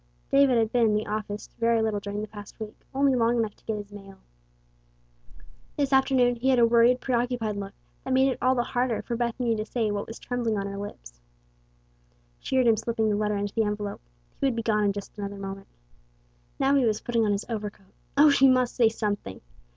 David had been in the office very little during the past week, only long enough to get his mail. This afternoon he had a worried, preoccupied look that made it all the harder for Bethany to say what was trembling on her lips. She heard him slipping the letter into the envelope. He would be gone in just another moment. Now he was putting on his overcoat. O, she must say something!